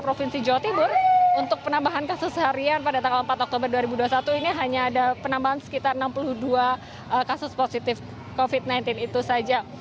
provinsi jawa timur untuk penambahan kasus harian pada tanggal empat oktober dua ribu dua puluh satu ini hanya ada penambahan sekitar enam puluh dua kasus positif covid sembilan belas itu saja